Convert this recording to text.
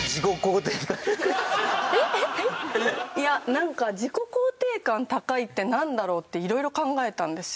なんか自己肯定感高いってなんだろう？っていろいろ考えたんですよ。